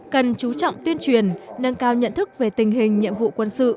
cần chú trọng tuyên truyền nâng cao nhận thức về tình hình nhiệm vụ quân sự